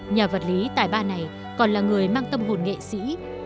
nhà vật lý tài ba này còn là người mang tâm hồn nghệ sĩ